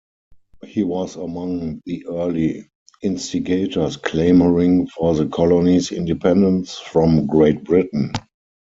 He was among the early instigators clamoring for the colony's independence from Great Britain.